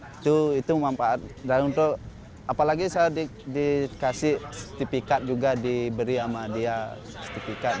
itu itu memanfaat dan untuk apalagi saya di dikasih tipikat juga diberi ahmad dia tipikat